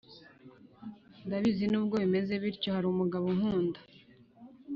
Ndabizi nubwo bimeze bityo harumugabo unkunda